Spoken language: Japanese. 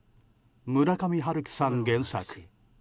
村上春樹さん原作。